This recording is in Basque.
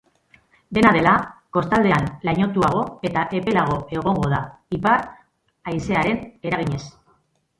Dena dela, kostaldean lainotuago eta epelago egongo da, ipar haizearen eraginez.